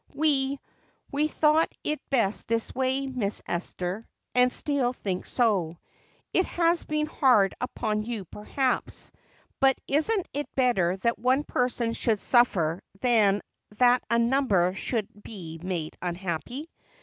"We we thought it best this way, Miss Esther, and still think so. It has been hard upon you perhaps, but isn't it better that one person should suffer than that a number should be made unhappy?"